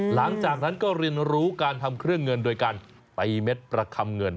หลังจากนั้นก็เรียนรู้การทำเครื่องเงินโดยการไปเม็ดประคำเงิน